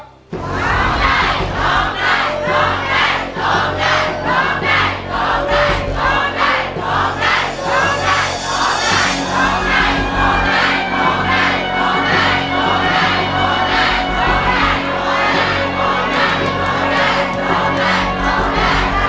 โทษให้โทษให้โทษให้โทษให้